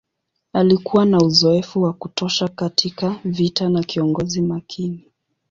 Alikuwa na uzoefu wa kutosha katika vita na kiongozi makini.